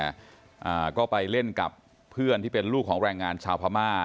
อ่าก็ไปเล่นกับเพื่อนที่เป็นลูกของแรงงานชาวพม่า